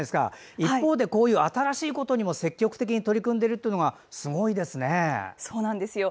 一方で新しいことにも積極的に取り組んでいるのがすごいですね。